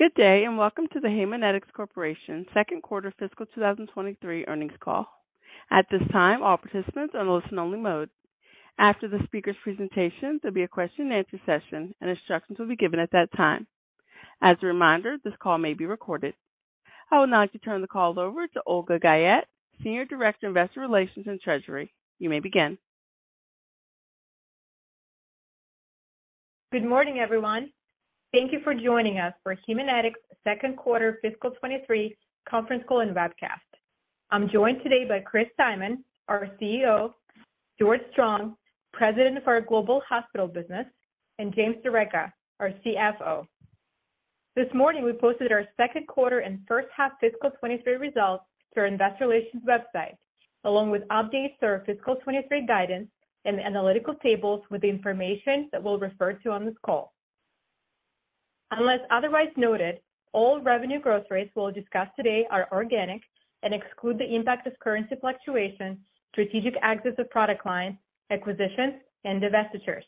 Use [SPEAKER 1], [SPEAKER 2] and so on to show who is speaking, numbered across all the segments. [SPEAKER 1] Good day, and welcome to the Haemonetics Corporation second quarter fiscal 2023 earnings call. At this time, all participants are in listen only mode. After the speaker's presentation, there'll be a question and answer session and instructions will be given at that time. As a reminder, this call may be recorded. I would now like to turn the call over to Olga Guyette, Senior Director, Investor Relations and Treasury. You may begin.
[SPEAKER 2] Good morning, everyone. Thank you for joining us for Haemonetics second quarter fiscal 2023 conference call and webcast. I'm joined today by Chris Simon, our CEO, Stewart Strong, President of our Global Hospital business, and James D'Arecca, our CFO. This morning, we posted our second quarter and first half fiscal 2023 results to our investor relations website, along with updates to our fiscal 2023 guidance and analytical tables with the information that we'll refer to on this call. Unless otherwise noted, all revenue growth rates we'll discuss today are organic and exclude the impact of currency fluctuations, strategic exits of product lines, acquisitions and divestitures.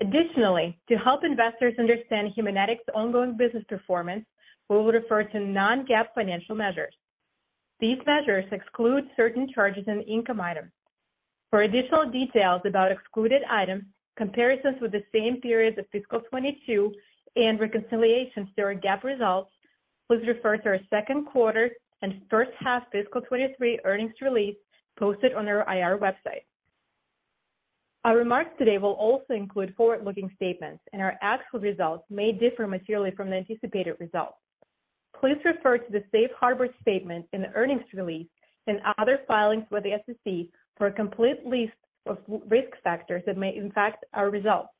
[SPEAKER 2] Additionally, to help investors understand Haemonetics ongoing business performance, we will refer to non-GAAP financial measures. These measures exclude certain charges and income items. For additional details about excluded items, comparisons with the same period of fiscal 2022 and reconciliations to our GAAP results, please refer to our second quarter and first half fiscal 2023 earnings release posted on our IR website. Our remarks today will also include forward-looking statements, and our actual results may differ materially from the anticipated results. Please refer to the safe harbor statement in the earnings release and other filings with the SEC for a complete list of risk factors that may impact our results.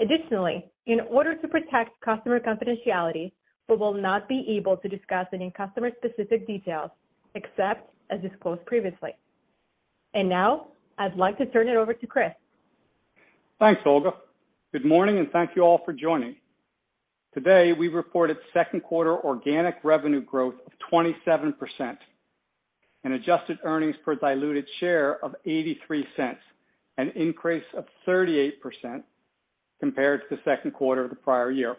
[SPEAKER 2] Additionally, in order to protect customer confidentiality, we will not be able to discuss any customer-specific details except as disclosed previously. Now I'd like to turn it over to Chris Simon.
[SPEAKER 3] Thanks, Olga. Good morning, and thank you all for joining. Today, we reported second quarter organic revenue growth of 27% and adjusted earnings per diluted share of $0.83, an increase of 38% compared to the second quarter of the prior year.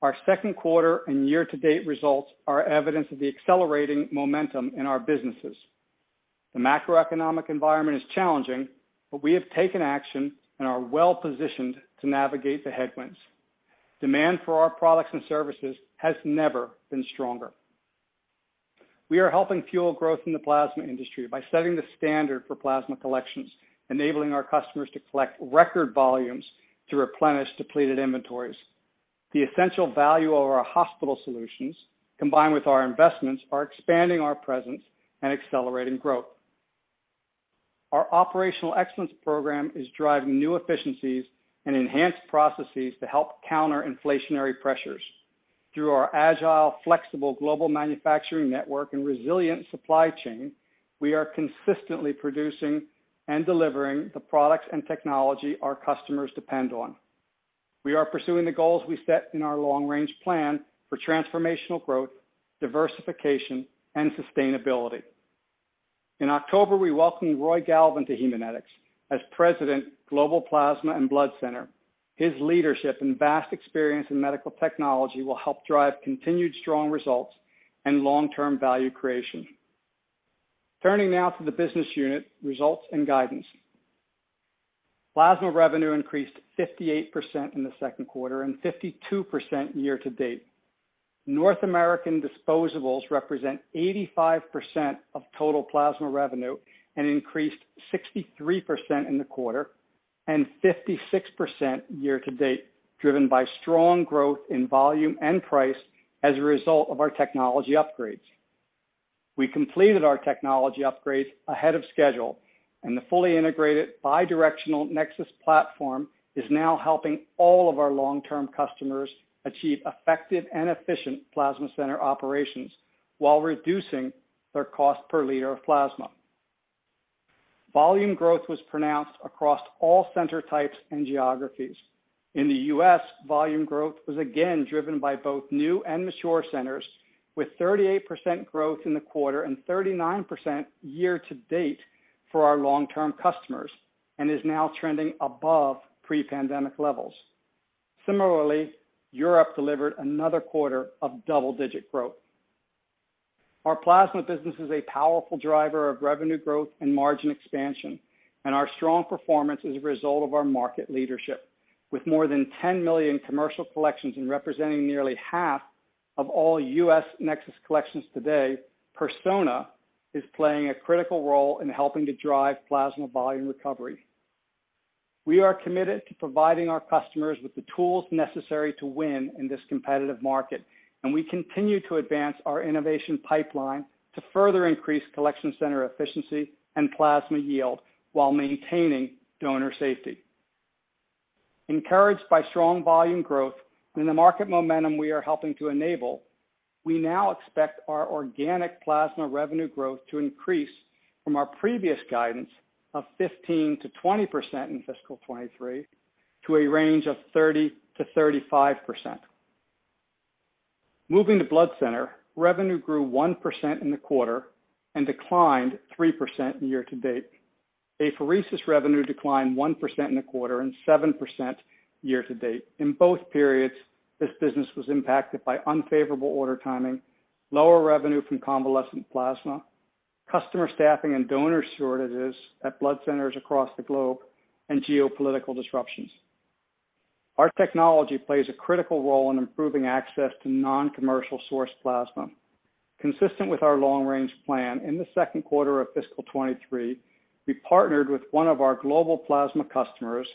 [SPEAKER 3] Our second quarter and year to date results are evidence of the accelerating momentum in our businesses. The macroeconomic environment is challenging, but we have taken action and are well-positioned to navigate the headwinds. Demand for our products and services has never been stronger. We are helping fuel growth in the plasma industry by setting the standard for plasma collections, enabling our customers to collect record volumes to replenish depleted inventories. The essential value of our hospital solutions, combined with our investments, are expanding our presence and accelerating growth. Our operational excellence program is driving new efficiencies and enhanced processes to help counter inflationary pressures. Through our agile, flexible global manufacturing network and resilient supply chain, we are consistently producing and delivering the products and technology our customers depend on. We are pursuing the goals we set in our long-range plan for transformational growth, diversification, and sustainability. In October, we welcomed Roy Galvin to Haemonetics as President, Global Plasma and Blood Center. His leadership and vast experience in medical technology will help drive continued strong results and long-term value creation. Turning now to the business unit results and guidance. Plasma revenue increased 58% in the second quarter and 52% year to date. North American disposables represent 85% of total plasma revenue and increased 63% in the quarter and 56% year to date, driven by strong growth in volume and price as a result of our technology upgrades. We completed our technology upgrades ahead of schedule, and the fully integrated bidirectional NexSys platform is now helping all of our long-term customers achieve effective and efficient plasma center operations while reducing their cost per liter of plasma. Volume growth was pronounced across all center types and geographies. In the U.S., volume growth was again driven by both new and mature centers, with 38% growth in the quarter and 39% year to date for our long-term customers, and is now trending above pre-pandemic levels. Similarly, Europe delivered another quarter of double-digit growth. Our plasma business is a powerful driver of revenue growth and margin expansion, and our strong performance is a result of our market leadership. With more than 10 million commercial collections and representing nearly half of all U.S. NexSys collections today, Persona is playing a critical role in helping to drive plasma volume recovery. We are committed to providing our customers with the tools necessary to win in this competitive market, and we continue to advance our innovation pipeline to further increase collection center efficiency and plasma yield while maintaining donor safety. Encouraged by strong volume growth and the market momentum we are helping to enable, we now expect our organic plasma revenue growth to increase from our previous guidance of 15%-20% in fiscal 2023 to a range of 30%-35%. Moving to Blood Center, revenue grew 1% in the quarter and declined 3% year-to-date. Apheresis revenue declined 1% in the quarter and 7% year-to-date. In both periods, this business was impacted by unfavorable order timing, lower revenue from convalescent plasma, customer staffing and donor shortages at blood centers across the globe, and geopolitical disruptions. Our technology plays a critical role in improving access to non-commercial source plasma. Consistent with our long-range plan, in the second quarter of fiscal 2023, we partnered with one of our global plasma customers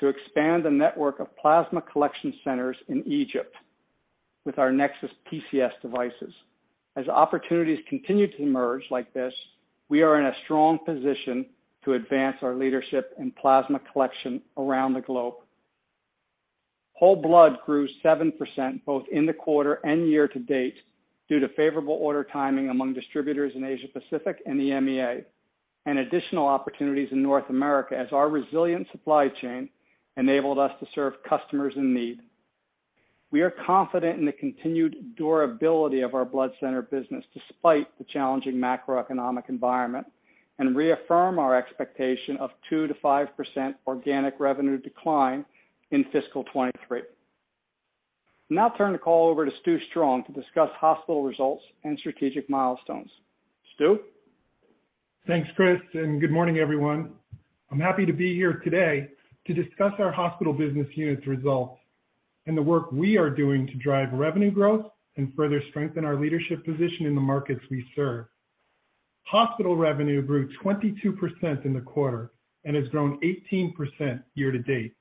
[SPEAKER 3] to expand a network of plasma collection centers in Egypt with our NexSys PCS devices. As opportunities continue to emerge like this, we are in a strong position to advance our leadership in plasma collection around the globe. Whole blood grew 7% both in the quarter and year to date due to favorable order timing among distributors in Asia Pacific and the EMEA, and additional opportunities in North America as our resilient supply chain enabled us to serve customers in need. We are confident in the continued durability of our blood center business despite the challenging macroeconomic environment, and reaffirm our expectation of 2%-5% organic revenue decline in fiscal 2023. Now I'll turn the call over to Stewart Strong to discuss hospital results and strategic milestones. Stewart?
[SPEAKER 4] Thanks, Chris, and good morning, everyone. I'm happy to be here today to discuss our hospital business unit's results and the work we are doing to drive revenue growth and further strengthen our leadership position in the markets we serve. Hospital revenue grew 22% in the quarter and has grown 18% year to date.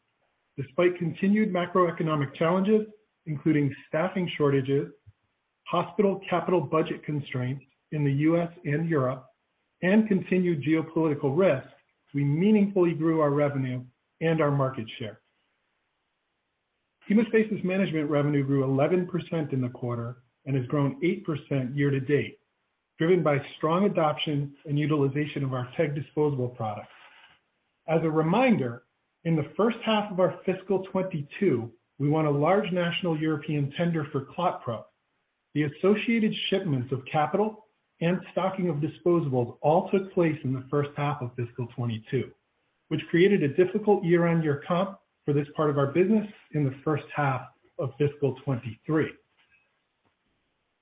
[SPEAKER 4] Despite continued macroeconomic challenges, including staffing shortages, hospital capital budget constraints in the U.S. and Europe, and continued geopolitical risks, we meaningfully grew our revenue and our market share. Hemostasis management revenue grew 11% in the quarter and has grown 8% year to date, driven by strong adoption and utilization of our TEG disposable products. As a reminder, in the first half of our fiscal 2022, we won a large national European tender for ClotPro. The associated shipments of capital and stocking of disposables all took place in the first half of fiscal 2022, which created a difficult year-on-year comp for this part of our business in the first half of fiscal 2023.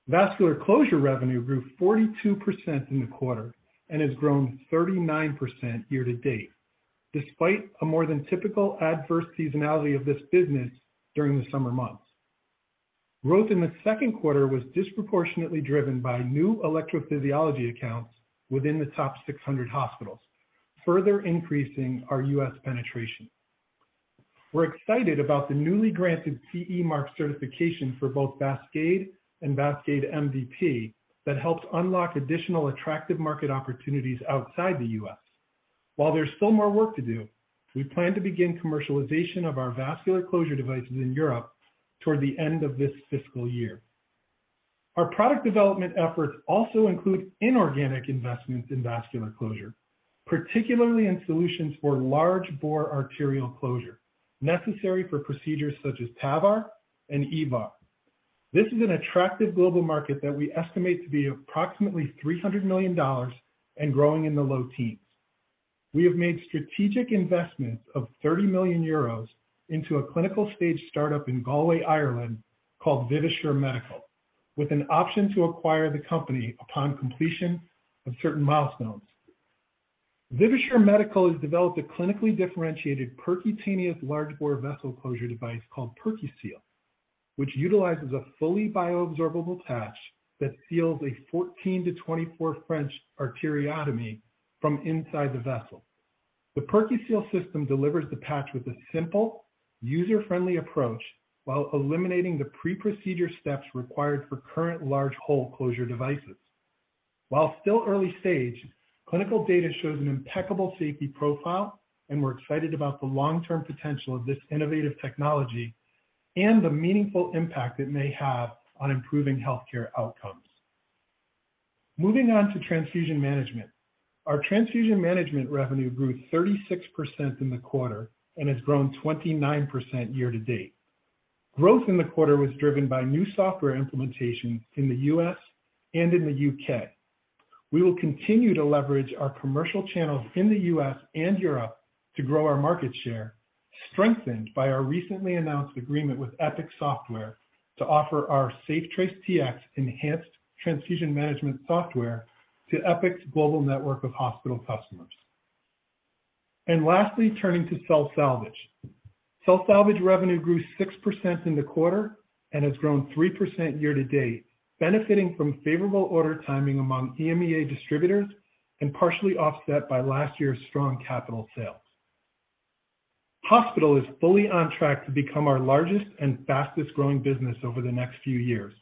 [SPEAKER 4] Vascular closure revenue grew 42% in the quarter and has grown 39% year to date, despite a more than typical adverse seasonality of this business during the summer months. Growth in the second quarter was disproportionately driven by new electrophysiology accounts within the top 600 hospitals, further increasing our U.S. penetration. We're excited about the newly granted CE mark certification for both VASCADE and VASCADE MVP that helped unlock additional attractive market opportunities outside the U.S. While there's still more work to do, we plan to begin commercialization of our vascular closure devices in Europe toward the end of this fiscal year. Our product development efforts also include inorganic investments in vascular closure, particularly in solutions for large bore arterial closure necessary for procedures such as TAVR and EVAR. This is an attractive global market that we estimate to be approximately $300 million and growing in the low teens%. We have made strategic investments of 30 million euros into a clinical stage startup in Galway, Ireland, called Vivasure Medical, with an option to acquire the company upon completion of certain milestones. Vivasure Medical has developed a clinically differentiated percutaneous large bore vessel closure device called PerQseal, which utilizes a fully bioabsorbable patch that seals a 14-24 French arteriotomy from inside the vessel. The PerQseal system delivers the patch with a simple, user-friendly approach while eliminating the pre-procedure steps required for current large hole closure devices. While still early stage, clinical data shows an impeccable safety profile, and we're excited about the long-term potential of this innovative technology and the meaningful impact it may have on improving healthcare outcomes. Moving on to transfusion management. Our transfusion management revenue grew 36% in the quarter and has grown 29% year to date. Growth in the quarter was driven by new software implementation in the U.S. and in the U.K. We will continue to leverage our commercial channels in the U.S. and Europe to grow our market share, strengthened by our recently announced agreement with Epic Software to offer our SafeTrace Tx enhanced transfusion management software to Epic's global network of hospital customers. Lastly, turning to cell salvage. Cell salvage revenue grew 6% in the quarter and has grown 3% year to date, benefiting from favorable order timing among EMEA distributors and partially offset by last year's strong capital sales. Hospital is fully on track to become our largest and fastest-growing business over the next few years.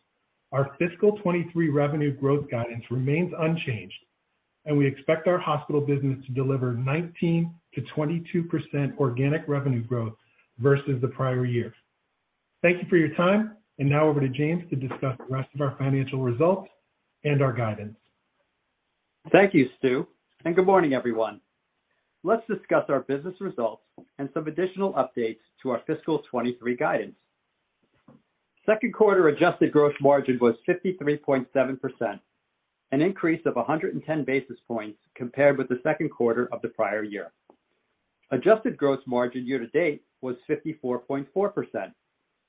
[SPEAKER 4] Our fiscal 2023 revenue growth guidance remains unchanged, and we expect our hospital business to deliver 19%-22% organic revenue growth versus the prior year. Thank you for your time. Now over to James to discuss the rest of our financial results and our guidance.
[SPEAKER 5] Thank you, Stewart, and good morning, everyone. Let's discuss our business results and some additional updates to our fiscal 2023 guidance. Second quarter adjusted gross margin was 53.7%, an increase of 110 basis points compared with the second quarter of the prior year. Adjusted gross margin year to date was 54.4%,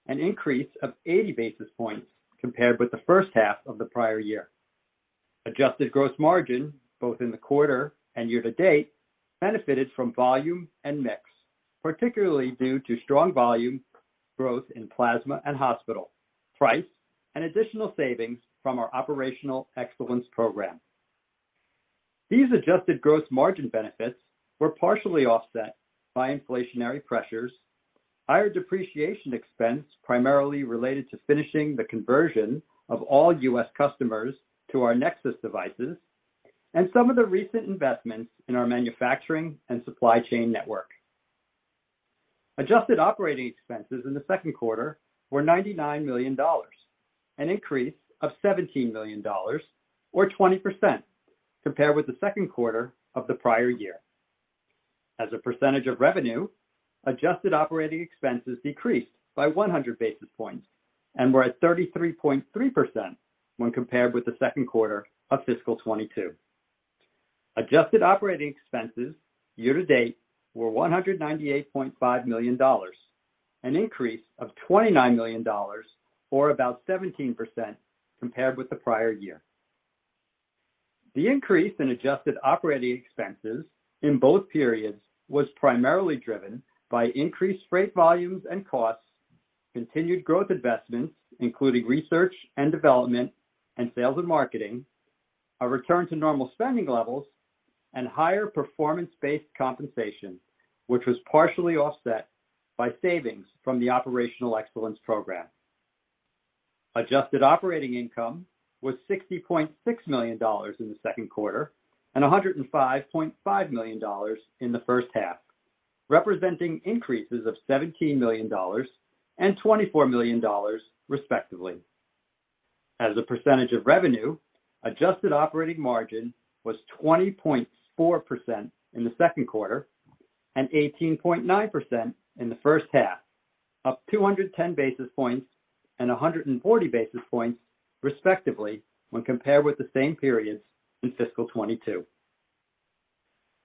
[SPEAKER 5] an increase of 80 basis points compared with the first half of the prior year. Adjusted gross margin, both in the quarter and year to date, benefited from volume and mix, particularly due to strong volume growth in plasma and hospital, price, and additional savings from our operational excellence program. These adjusted gross margin benefits were partially offset by inflationary pressures, higher depreciation expense, primarily related to finishing the conversion of all U.S. customers to our NexSys devices, and some of the recent investments in our manufacturing and supply chain network. Adjusted operating expenses in the second quarter were $99 million, an increase of $17 million or 20% compared with the second quarter of the prior year. As a percentage of revenue, adjusted operating expenses decreased by 100 basis points and were at 33.3% when compared with the second quarter of fiscal 2022. Adjusted operating expenses year to date were $198.5 million, an increase of $29 million or about 17% compared with the prior year. The increase in adjusted operating expenses in both periods was primarily driven by increased freight volumes and costs, continued growth investments, including research and development and sales and marketing, a return to normal spending levels, and higher performance-based compensation, which was partially offset by savings from the operational excellence program. Adjusted operating income was $60.6 million in the second quarter and $105.5 million in the first half, representing increases of $17 million and $24 million, respectively. As a percentage of revenue, adjusted operating margin was 20.4% in the second quarter and 18.9% in the first half, up 210 basis points and 140 basis points, respectively, when compared with the same periods in fiscal 2022.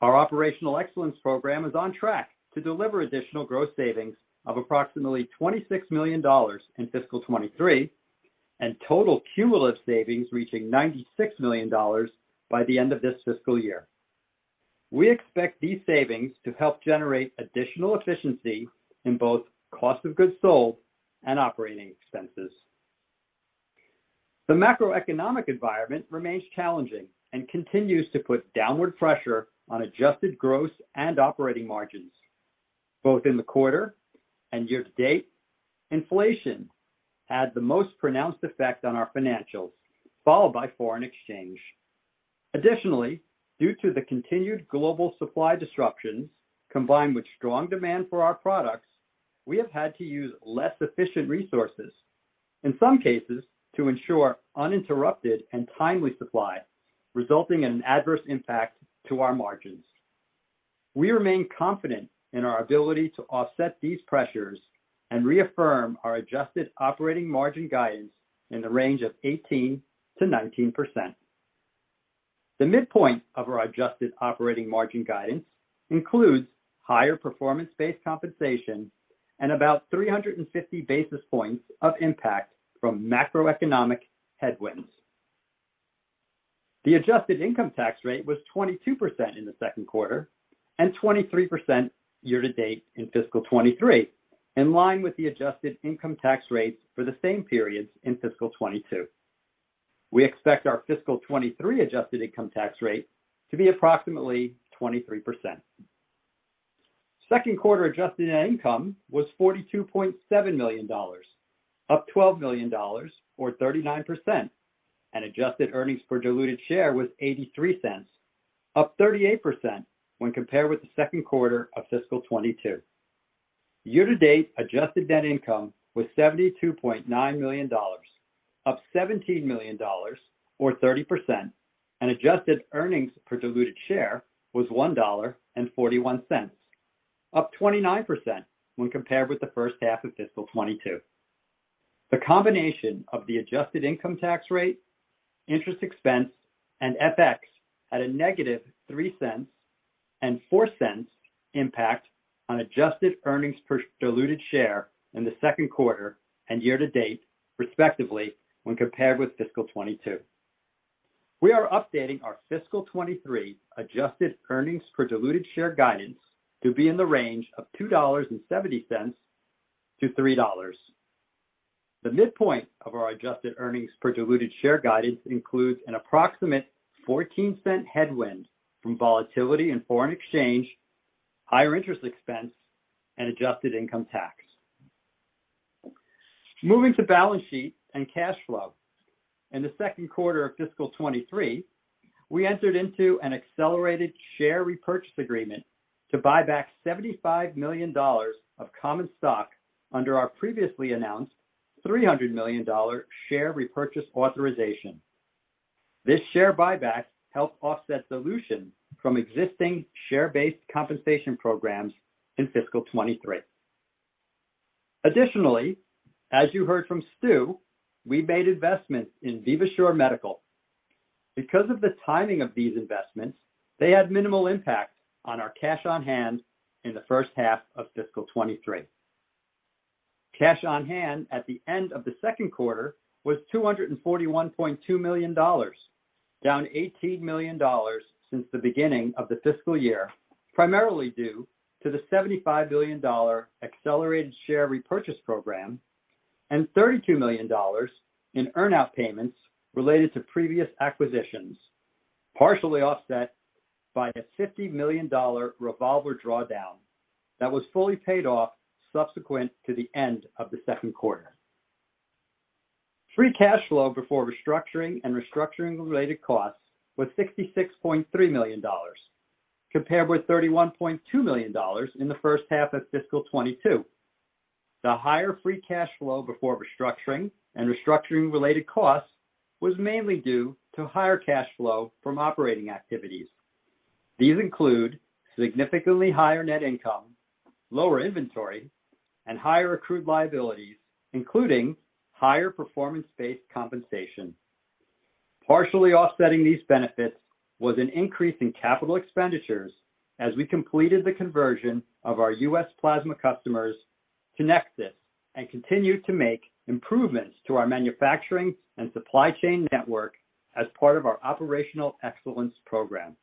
[SPEAKER 5] Our operational excellence program is on track to deliver additional gross savings of approximately $26 million in fiscal 2023 and total cumulative savings reaching $96 million by the end of this fiscal year. We expect these savings to help generate additional efficiency in both cost of goods sold and operating expenses. The macroeconomic environment remains challenging and continues to put downward pressure on adjusted gross and operating margins, both in the quarter and year to date. Inflation had the most pronounced effect on our financials, followed by foreign exchange. Additionally, due to the continued global supply disruptions, combined with strong demand for our products, we have had to use less efficient resources, in some cases, to ensure uninterrupted and timely supply, resulting in an adverse impact to our margins. We remain confident in our ability to offset these pressures and reaffirm our adjusted operating margin guidance in the range of 18%-19%. The midpoint of our adjusted operating margin guidance includes higher performance-based compensation and about 350 basis points of impact from macroeconomic headwinds. The adjusted income tax rate was 22% in the second quarter and 23% year to date in fiscal 2023, in line with the adjusted income tax rates for the same periods in fiscal 2022. We expect our fiscal 2023 adjusted income tax rate to be approximately 23%. Second quarter adjusted net income was $42.7 million, up $12 million, or 39%. Adjusted earnings per diluted share was $0.83, up 38% when compared with the second quarter of fiscal 2022. Year to date, adjusted net income was $72.9 million, up $17 million or 30%, and adjusted earnings per diluted share was $1.41, up 29% when compared with the first half of fiscal 2022. The combination of the adjusted income tax rate, interest expense, and FX at a $-0.03 and $0.04 impact on adjusted earnings per diluted share in the second quarter and year to date, respectively, when compared with fiscal 2022. We are updating our fiscal 2023 adjusted earnings per diluted share guidance to be in the range of $2.70-$3.00. The midpoint of our adjusted earnings per diluted share guidance includes an approximate $0.14 Headwind from volatility in foreign exchange, higher interest expense, and adjusted income tax. Moving to balance sheet and cash flow. In the second quarter of fiscal 2023, we entered into an accelerated share repurchase agreement to buy back $75 million of common stock under our previously announced $300 million dollar share repurchase authorization. This share buyback helped offset dilution from existing share-based compensation programs in fiscal 2023. Additionally, as you heard from Stewart, we made investments in Vivasure Medical. Because of the timing of these investments, they had minimal impact on our cash on hand in the first half of fiscal 2023. Cash on hand at the end of the second quarter was $241.2 million, down $18 million since the beginning of the fiscal year, primarily due to the $75 billion accelerated share repurchase program and $32 million in earn-out payments related to previous acquisitions, partially offset by a $50 million revolver drawdown that was fully paid off subsequent to the end of the second quarter. Free cash flow before restructuring and restructuring-related costs was $66.3 million, compared with $31.2 million in the first half of fiscal 2022. The higher free cash flow before restructuring and restructuring-related costs was mainly due to higher cash flow from operating activities. These include significantly higher net income, lower inventory, and higher accrued liabilities, including higher performance-based compensation. Partially offsetting these benefits was an increase in capital expenditures as we completed the conversion of our U.S. plasma customers to NexSys and continued to make improvements to our manufacturing and supply chain network as part of our operational excellence program.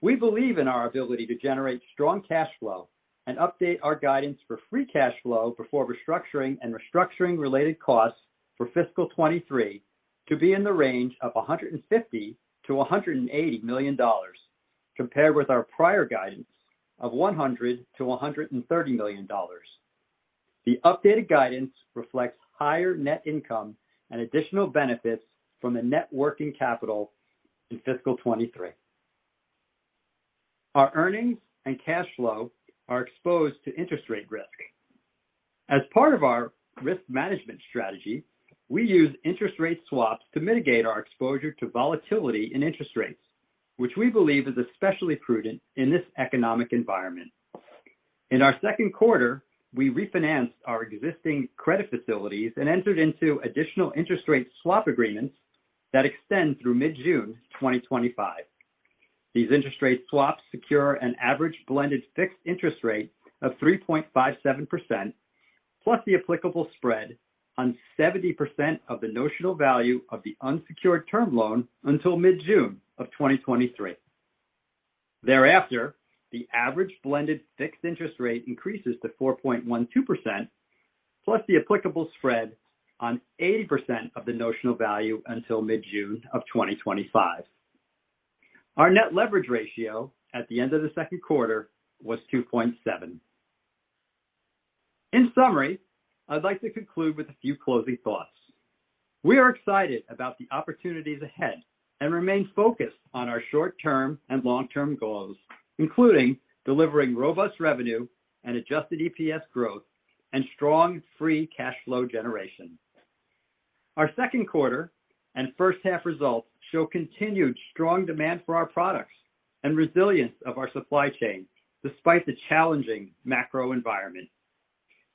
[SPEAKER 5] We believe in our ability to generate strong cash flow and update our guidance for free cash flow before restructuring and restructuring-related costs for fiscal 2023 to be in the range of $150 million-$180 million, compared with our prior guidance of $100 million-$130 million. The updated guidance reflects higher net income and additional benefits from the net working capital in fiscal 2023. Our earnings and cash flow are exposed to interest rate risk. As part of our risk management strategy, we use interest rate swaps to mitigate our exposure to volatility in interest rates, which we believe is especially prudent in this economic environment. In our second quarter, we refinanced our existing credit facilities and entered into additional interest rate swap agreements that extend through mid-June 2025. These interest rate swaps secure an average blended fixed interest rate of 3.57%, plus the applicable spread on 70% of the notional value of the unsecured term loan until mid-June of 2023. Thereafter, the average blended fixed interest rate increases to 4.12%, plus the applicable spread on 80% of the notional value until mid-June of 2025. Our net leverage ratio at the end of the second quarter was 2.7. In summary, I'd like to conclude with a few closing thoughts. We are excited about the opportunities ahead and remain focused on our short-term and long-term goals, including delivering robust revenue and adjusted EPS growth and strong free cash flow generation. Our second quarter and first half results show continued strong demand for our products and resilience of our supply chain, despite the challenging macro environment.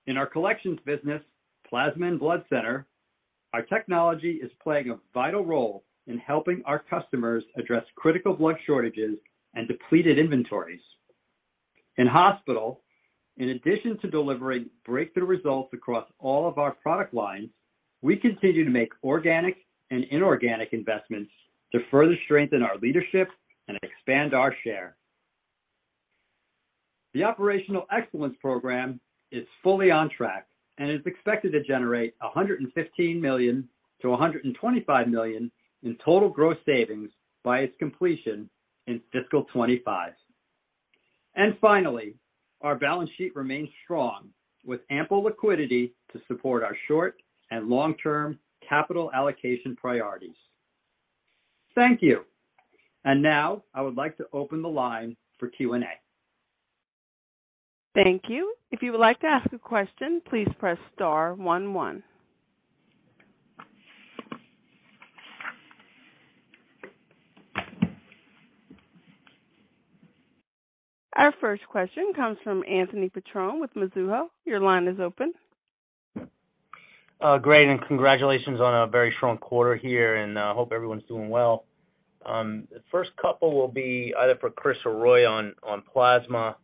[SPEAKER 5] In our collections business, Plasma and Blood Center, our technology is playing a vital role in helping our customers address critical blood shortages and depleted inventories. In hospital, in addition to delivering breakthrough results across all of our product lines, we continue to make organic and inorganic investments to further strengthen our leadership and expand our share. The Operational Excellence Program is fully on track and is expected to generate $115 million-$125 million in total gross savings by its completion in fiscal 2025. Finally, our balance sheet remains strong, with ample liquidity to support our short- and long-term capital allocation priorities. Thank you. Now I would like to open the line for Q&A.
[SPEAKER 1] Thank you. If you would like to ask a question, please press star one one. Our first question comes from Anthony Petrone with Mizuho. Your line is open.
[SPEAKER 6] Great, congratulations on a very strong quarter here, hope everyone's doing well. The first couple will be either for Chris or Strong on plasma,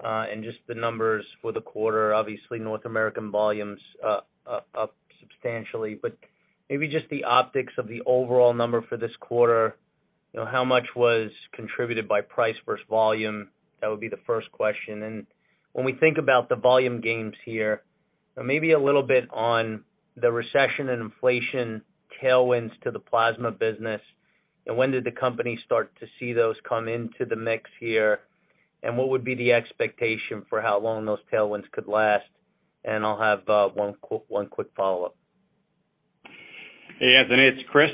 [SPEAKER 6] and just the numbers for the quarter. Obviously, North American volumes up substantially, but maybe just the optics of the overall number for this quarter, you know, how much was contributed by price versus volume? That would be the first question. When we think about the volume gains here, maybe a little bit on the recession and inflation tailwinds to the plasma business, and when did the company start to see those come into the mix here? What would be the expectation for how long those tailwinds could last? I'll have one quick follow-up.
[SPEAKER 3] Hey Anthony, it's Chris.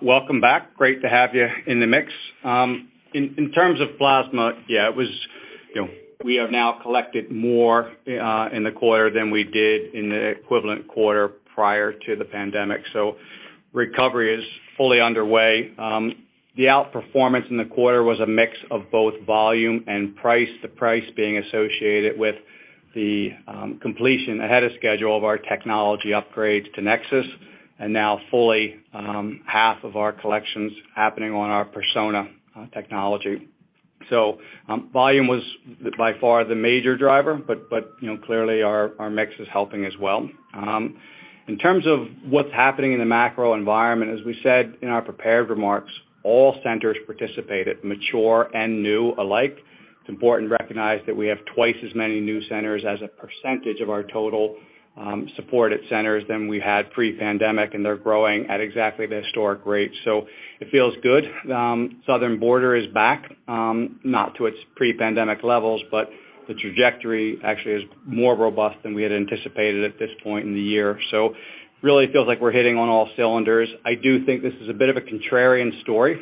[SPEAKER 3] Welcome back. Great to have you in the mix. In terms of plasma, yeah, it was, you know, we have now collected more in the quarter than we did in the equivalent quarter prior to the pandemic. Recovery is fully underway. The outperformance in the quarter was a mix of both volume and price. The price being associated with the completion ahead of schedule of our technology upgrades to Nexus, and now fully half of our collections happening on our Persona technology. Volume was by far the major driver, but you know, clearly our mix is helping as well. In terms of what's happening in the macro environment, as we said in our prepared remarks, all centers participated, mature and new alike. It's important to recognize that we have twice as many new centers as a percentage of our total, supported centers than we had pre-pandemic, and they're growing at exactly the historic rate. It feels good. Southern border is back, not to its pre-pandemic levels, but the trajectory actually is more robust than we had anticipated at this point in the year. Really feels like we're hitting on all cylinders. I do think this is a bit of a contrarian story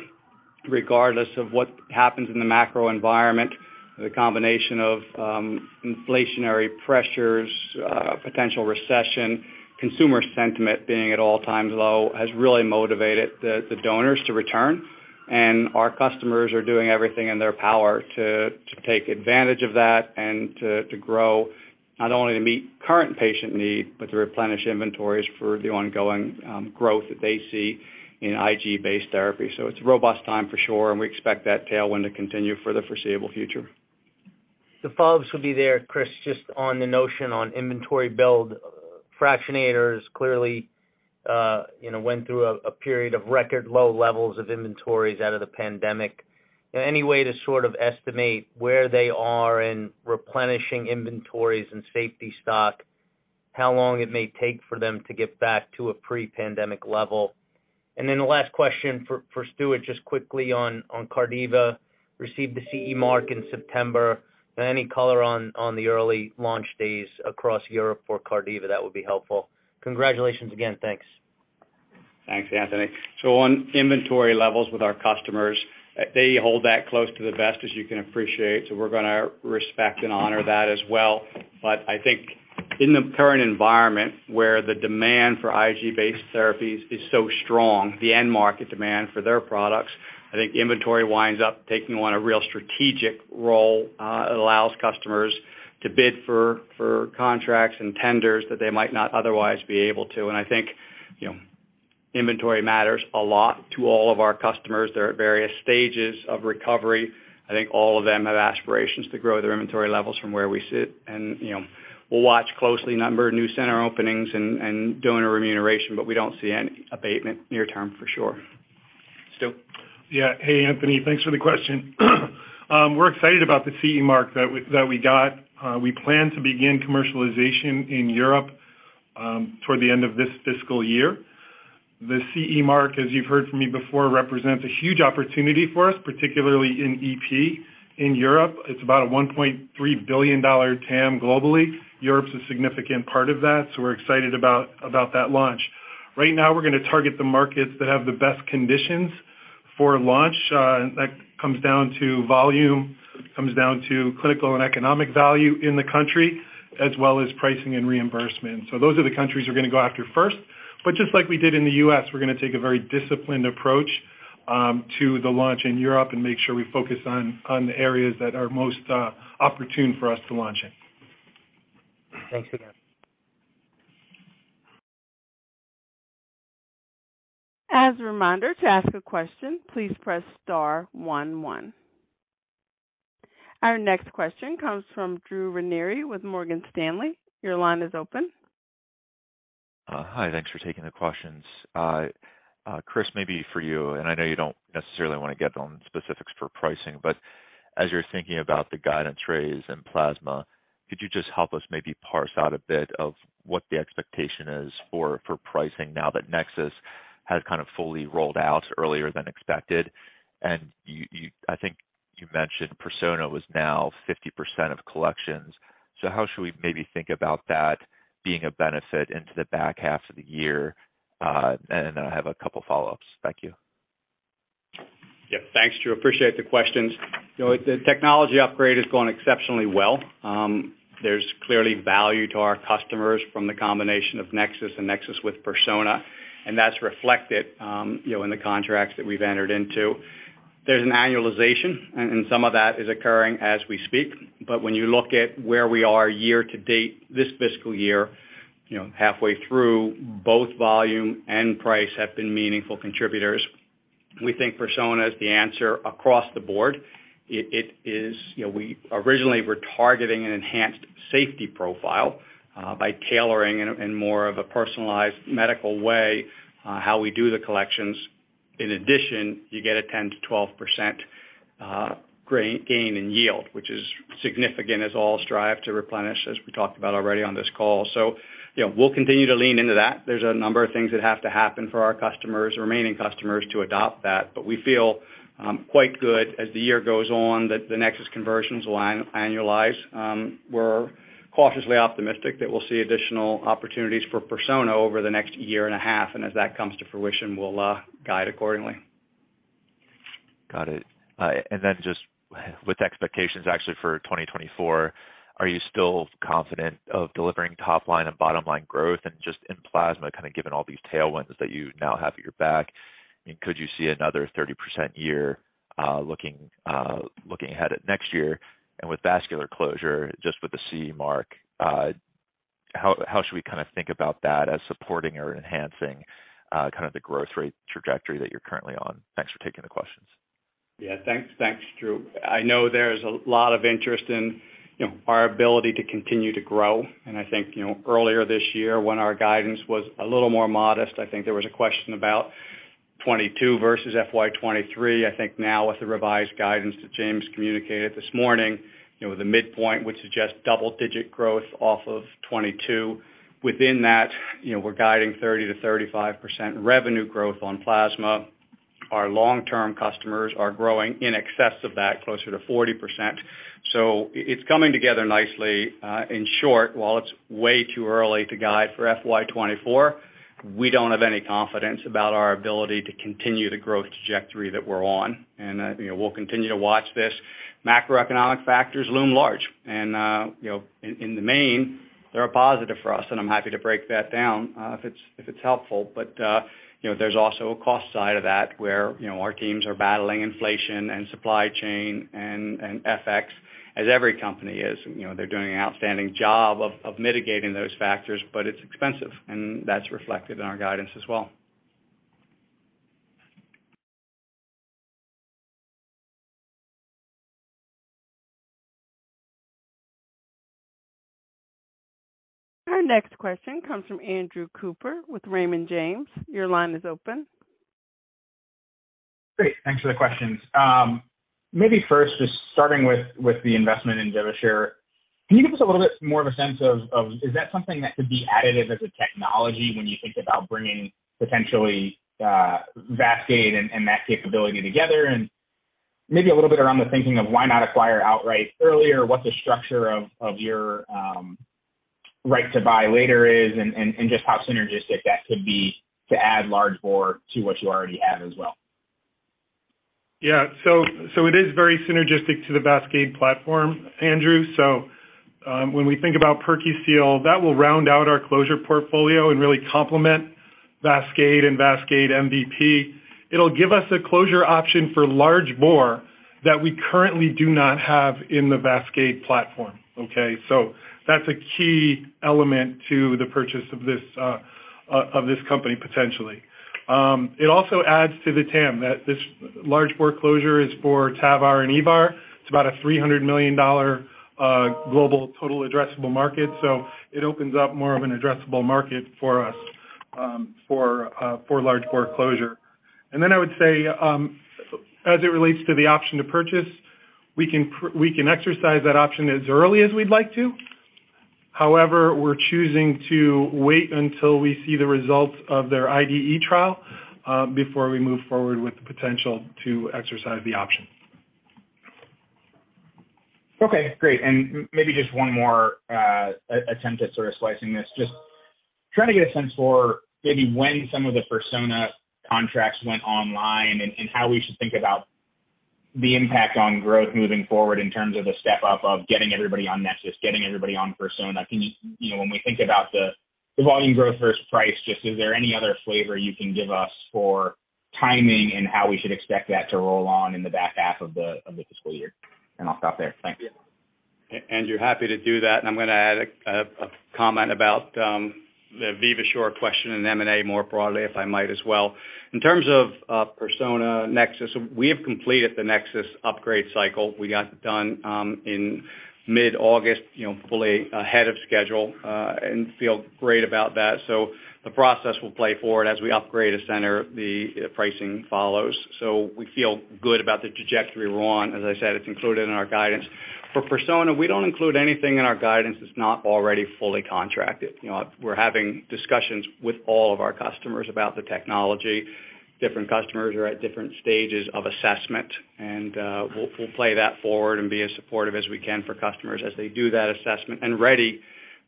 [SPEAKER 3] regardless of what happens in the macro environment. The combination of, inflationary pressures, potential recession, consumer sentiment being at all-times low, has really motivated the donors to return. Our customers are doing everything in their power to take advantage of that and to grow, not only to meet current patient need, but to replenish inventories for the ongoing growth that they see in IG-based therapy. It's a robust time for sure, and we expect that tailwind to continue for the foreseeable future.
[SPEAKER 6] The follow-ups will be there, Chris, just on the notion on inventory build. Fractionators clearly went through a period of record low levels of inventories out of the pandemic. Any way to sort of estimate where they are in replenishing inventories and safety stock, how long it may take for them to get back to a pre-pandemic level? The last question for Stewart, just quickly on VASCADE, received the CE mark in September. Any color on the early launch days across Europe for VASCADE? That would be helpful. Congratulations again. Thanks.
[SPEAKER 3] Thanks, Anthony. On inventory levels with our customers, they hold that close to the vest as you can appreciate. We're gonna respect and honor that as well. I think in the current environment where the demand for IG-based therapies is so strong, the end market demand for their products, I think inventory winds up taking on a real strategic role that allows customers to bid for contracts and tenders that they might not otherwise be able to. I think, you know, inventory matters a lot to all of our customers. They're at various stages of recovery. I think all of them have aspirations to grow their inventory levels from where we sit and, you know, we'll watch closely number of new center openings and donor remuneration, but we don't see any abatement near term for sure. Stewart?
[SPEAKER 4] Yeah. Hey Anthony, thanks for the question. We're excited about the CE mark that we got. We plan to begin commercialization in Europe, toward the end of this fiscal year. The CE mark, as you've heard from me before, represents a huge opportunity for us, particularly in EP. In Europe, it's about a $1.3 billion TAM globally. Europe's a significant part of that, so we're excited about that launch. Right now we're gonna target the markets that have the best conditions for launch. That comes down to volume, it comes down to clinical and economic value in the country, as well as pricing and reimbursement. Those are the countries we're gonna go after first. Just like we did in the U.S., we're gonna take a very disciplined approach to the launch in Europe and make sure we focus on the areas that are most opportune for us to launch in.
[SPEAKER 6] Thanks for that.
[SPEAKER 1] As a reminder, to ask a question, please press star one one. Our next question comes from Drew Ranieri with Morgan Stanley. Your line is open.
[SPEAKER 7] Hi, thanks for taking the questions. Chris, maybe for you, and I know you don't necessarily want to get on specifics for pricing, but as you're thinking about the guidance raise and plasma, could you just help us maybe parse out a bit of what the expectation is for pricing now that NexSys has kind of fully rolled out earlier than expected? I think you mentioned Persona was now 50% of collections. So how should we maybe think about that being a benefit into the back half of the year? I have a couple follow-ups. Thank you.
[SPEAKER 3] Yeah. Thanks, Drew. Appreciate the questions. You know, the technology upgrade is going exceptionally well. There's clearly value to our customers from the combination of NexSys with Persona, and that's reflected, you know, in the contracts that we've entered into. There's an annualization, and some of that is occurring as we speak. When you look at where we are year to date this fiscal year, you know, halfway through, both volume and price have been meaningful contributors. We think Persona is the answer across the board. It is, you know, we originally were targeting an enhanced safety profile by tailoring in more of a personalized medical way how we do the collections. In addition, you get a 10%-12% gain in yield, which is significant as all strive to replenish, as we talked about already on this call. You know, we'll continue to lean into that. There's a number of things that have to happen for our customers, remaining customers to adopt that. We feel quite good as the year goes on that the NexSys conversions will annualize. We're cautiously optimistic that we'll see additional opportunities for Persona over the next year and a half. As that comes to fruition, we'll guide accordingly.
[SPEAKER 7] Got it. Just with expectations actually for 2024, are you still confident of delivering top line and bottom line growth? Just in plasma, kind of given all these tailwinds that you now have at your back, I mean, could you see another 30% year, looking ahead at next year? With vascular closure, just with the CE mark, how should we kind of think about that as supporting or enhancing, kind of the growth rate trajectory that you're currently on? Thanks for taking the questions.
[SPEAKER 3] Yeah, thanks. Thanks, Drew. I know there's a lot of interest in, you know, our ability to continue to grow. I think, you know, earlier this year when our guidance was a little more modest, I think there was a question about 2022 versus FY 2023. I think now with the revised guidance that James communicated this morning, you know, the midpoint would suggest double-digit growth off of 2022. Within that, you know, we're guiding 30%-35% revenue growth on plasma. Our long-term customers are growing in excess of that, closer to 40%. It's coming together nicely. In short, while it's way too early to guide for FY 2024, we don't have any confidence about our ability to continue the growth trajectory that we're on. You know, we'll continue to watch this. Macroeconomic factors loom large. In the main, they're a positive for us, and I'm happy to break that down if it's helpful. There's also a cost side of that where our teams are battling inflation and supply chain and FX as every company is. You know, they're doing an outstanding job of mitigating those factors, but it's expensive, and that's reflected in our guidance as well.
[SPEAKER 1] Our next question comes from Andrew Cooper with Raymond James. Your line is open.
[SPEAKER 8] Great. Thanks for the questions. Maybe first, just starting with the investment in Vivasure. Can you give us a little bit more of a sense of is that something that could be additive as a technology when you think about bringing potentially VASCADE and that capability together? And maybe a little bit around the thinking of why not acquire outright earlier, what the structure of your right to buy later is, and just how synergistic that could be to add large bore to what you already have as well.
[SPEAKER 4] It is very synergistic to the VASCADE platform, Andrew. When we think about PerQseal, that will round out our closure portfolio and really complement VASCADE and VASCADE MVP. It will give us a closure option for large-bore that we currently do not have in the VASCADE platform. That is a key element to the purchase of this company potentially. It also adds to the TAM, that this large-bore closure is for TAVR and EVAR. It is about a $300 million global total addressable market. It opens up more of an addressable market for us for large-bore closure. As it relates to the option to purchase, we can exercise that option as early as we would like to. However, we're choosing to wait until we see the results of their IDE trial before we move forward with the potential to exercise the option.
[SPEAKER 8] Okay, great. Maybe just one more attempt at sort of slicing this. Just trying to get a sense for maybe when some of the Persona contracts went online and how we should think about the impact on growth moving forward in terms of the step-up of getting everybody on NexSys, getting everybody on Persona. Can you? You know, when we think about the volume growth versus price, just is there any other flavor you can give us for timing and how we should expect that to roll on in the back half of the fiscal year? I'll stop there. Thank you.
[SPEAKER 3] Yeah. Andrew, happy to do that. I'm gonna add a comment about the Vivasure question in M&A more broadly, if I might as well. In terms of Persona, NexSys, we have completed the NexSys upgrade cycle. We got it done in mid-August, you know, fully ahead of schedule and feel great about that. The process will play forward. As we upgrade a center, the pricing follows. We feel good about the trajectory we're on. As I said, it's included in our guidance. For Persona, we don't include anything in our guidance that's not already fully contracted. You know, we're having discussions with all of our customers about the technology. Different customers are at different stages of assessment, and we'll play that forward and be as supportive as we can for customers as they do that assessment and ready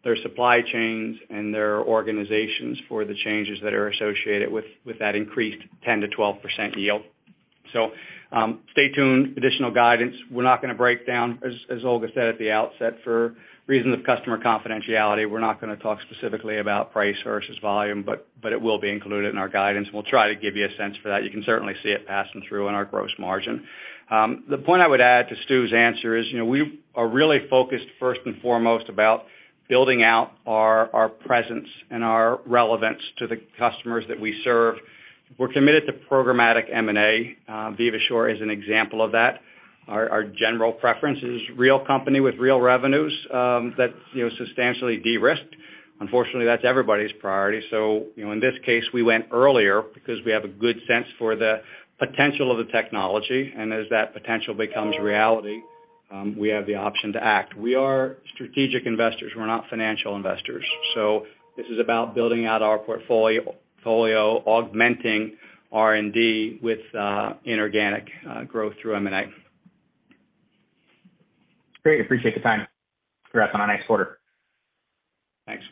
[SPEAKER 3] their supply chains and their organizations for the changes that are associated with that increased 10%-12% yield. Stay tuned. Additional guidance, we're not gonna break down. As Olga said at the outset, for reasons of customer confidentiality, we're not gonna talk specifically about price versus volume, but it will be included in our guidance. We'll try to give you a sense for that. You can certainly see it passing through in our gross margin. The point I would add to Steward's answer is, you know, we are really focused first and foremost about building out our presence and our relevance to the customers that we serve. We're committed to programmatic M&A. Vivasure is an example of that. Our general preference is real company with real revenues, that's, you know, substantially de-risked. Unfortunately, that's everybody's priority. You know, in this case, we went earlier because we have a good sense for the potential of the technology. As that potential becomes reality, we have the option to act. We are strategic investors. We're not financial investors. This is about building out our portfolio, augmenting R&D with inorganic growth through M&A.
[SPEAKER 8] Great. Appreciate the time. Congrats on a nice quarter.
[SPEAKER 3] Thanks.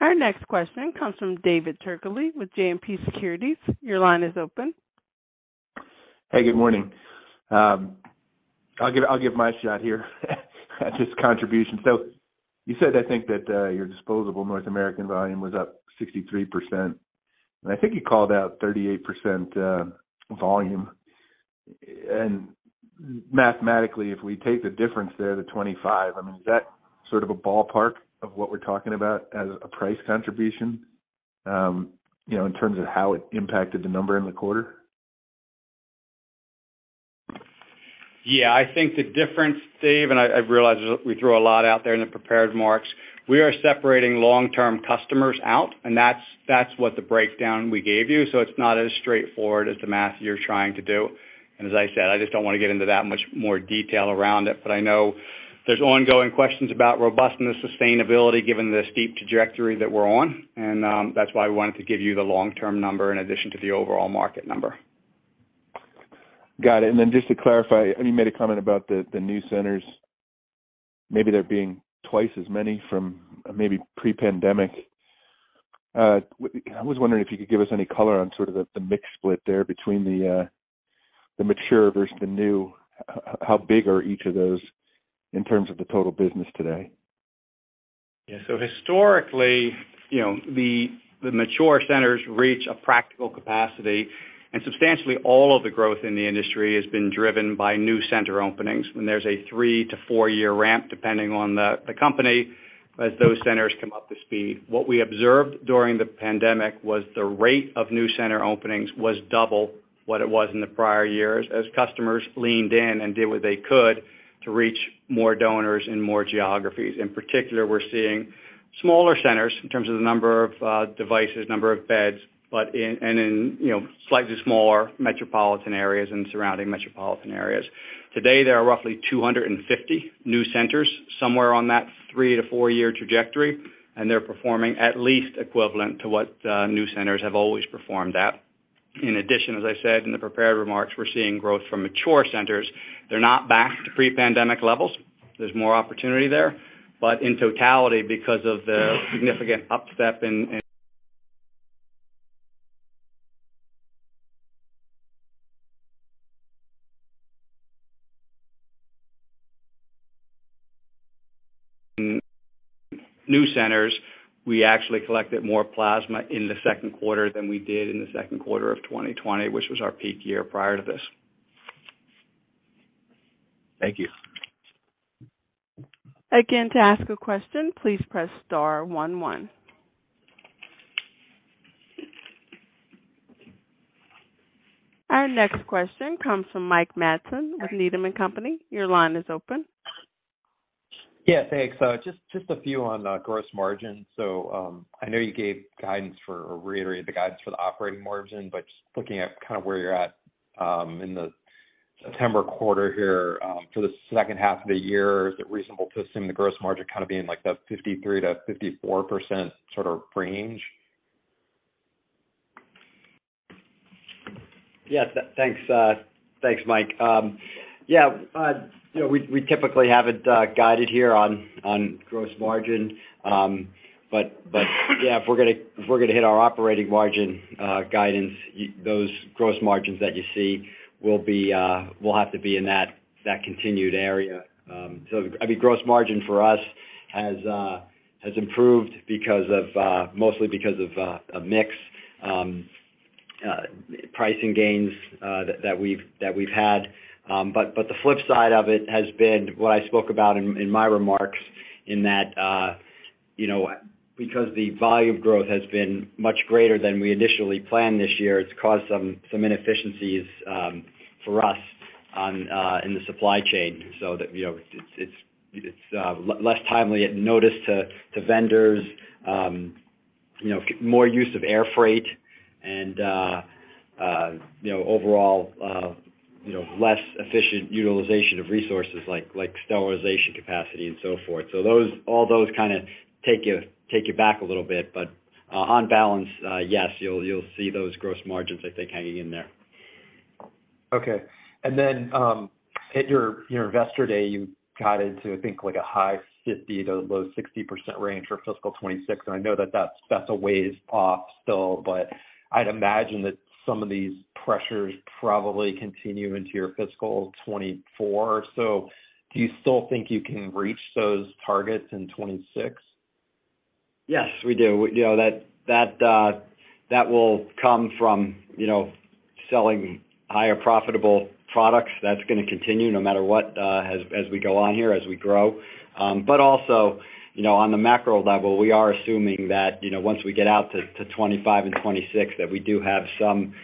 [SPEAKER 1] Our next question comes from David Turkaly with JMP Securities. Your line is open.
[SPEAKER 9] Hey, good morning. I'll give my shot here, just contribution. You said, I think, that your disposable North American volume was up 63%, and I think you called out 38% volume. Mathematically, if we take the difference there to 25, I mean, is that sort of a ballpark of what we're talking about as a price contribution, you know, in terms of how it impacted the number in the quarter?
[SPEAKER 3] Yeah, I think the difference, David, and I realize we threw a lot out there in the prepared remarks. We are separating long-term customers out, and that's what the breakdown we gave you, so it's not as straightforward as the math you're trying to do. I just don't wanna get into that much more detail around it. I know there's ongoing questions about robustness, sustainability, given the steep trajectory that we're on. That's why we wanted to give you the long-term number in addition to the overall market number.
[SPEAKER 9] Got it. Just to clarify, and you made a comment about the new centers, maybe there being twice as many from maybe pre-pandemic. I was wondering if you could give us any color on sort of the mix split there between the mature versus the new. How big are each of those in terms of the total business today?
[SPEAKER 3] Yeah. Historically, you know, the mature centers reach a practical capacity, and substantially all of the growth in the industry has been driven by new center openings. There's a three to four year ramp, depending on the company, as those centers come up to speed. What we observed during the pandemic was the rate of new center openings was double what it was in the prior years, as customers leaned in and did what they could to reach more donors in more geographies. In particular, we're seeing smaller centers in terms of the number of devices, number of beds, but in and in, you know, slightly smaller metropolitan areas and surrounding metropolitan areas. Today, there are roughly 250 new centers somewhere on that three to four year trajectory, and they're performing at least equivalent to what new centers have always performed at. In addition, as I said in the prepared remarks, we're seeing growth from mature centers. They're not back to pre-pandemic levels. There's more opportunity there. In totality, because of the significant upstep in new centers, we actually collected more plasma in the second quarter than we did in the second quarter of 2020, which was our peak year prior to this.
[SPEAKER 9] Thank you.
[SPEAKER 1] Again, to ask a question, please press star one one. Our next question comes from Mike Matson with Needham and Company. Your line is open.
[SPEAKER 10] Yeah, thanks. Just a few on gross margin. I know you gave guidance or reiterated the guidance for the operating margin, but just looking at kind of where you're at in the September quarter here for the second half of the year, is it reasonable to assume the gross margin kind of being like that 53%-54% sort of range?
[SPEAKER 3] Yeah, thanks, Mike. Yeah, you know, we typically have it guided here on gross margin. If we're gonna hit our operating margin guidance, those gross margins that you see will have to be in that continued area. I mean, gross margin for us has improved because of mostly a mix, pricing gains that we've had. The flip side of it has been what I spoke about in my remarks, in that you know, because the volume growth has been much greater than we initially planned this year, it's caused some inefficiencies for us in the supply chain. That, you know, it's less timely advance notice to vendors, you know, more use of air freight and, you know, overall, you know, less efficient utilization of resources like sterilization capacity and so forth. Those, all those kind of take you back a little bit. On balance, yes, you'll see those gross margins, I think, hanging in there.
[SPEAKER 10] Okay. At your Investor Day, you got into, I think, like a high 50%-low 60% range for fiscal 2026. I know that that's a ways off still, but I'd imagine that some of these pressures probably continue into your fiscal 2024. Do you still think you can reach those targets in 2026?
[SPEAKER 3] Yes, we do. You know, that will come from, you know, selling higher profitable products. That's gonna continue no matter what, as we go on here, as we grow. Also, you know, on the macro level, we are assuming that, you know, once we get out to 2025 and 2026, that we do have some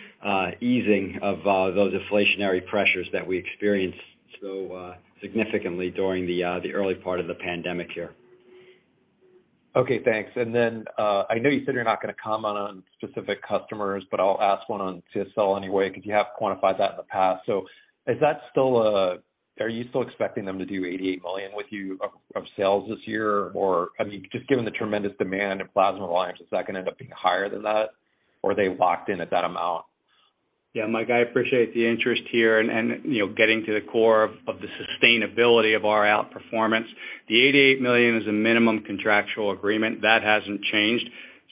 [SPEAKER 3] easing of those inflationary pressures that we experienced so significantly during the early part of the pandemic here.
[SPEAKER 10] Okay, thanks. I know you said you're not gonna comment on specific customers, but I'll ask one on CSL anyway, because you have quantified that in the past. Is that still? Are you still expecting them to do $88 million with you of sales this year? I mean, just given the tremendous demand of Plasma Alliance, is that gonna end up being higher than that, or are they locked in at that amount?
[SPEAKER 3] Yeah, Mike, I appreciate the interest here and you know, getting to the core of the sustainability of our outperformance. The $88 million is a minimum contractual agreement. That hasn't changed.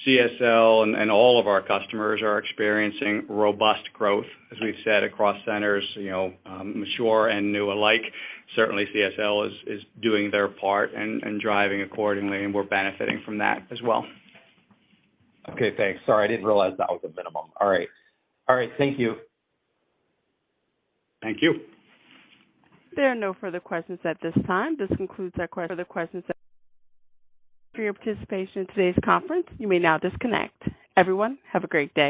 [SPEAKER 3] CSL and all of our customers are experiencing robust growth, as we've said, across centers, you know, mature and new alike. Certainly CSL is doing their part and driving accordingly, and we're benefiting from that as well.
[SPEAKER 10] Okay, thanks. Sorry, I didn't realize that was a minimum. All right, thank you. Thank you.
[SPEAKER 1] There are no further questions at this time. This concludes our further questions. Thank you for your participation in today's conference. You may now disconnect. Everyone, have a great day.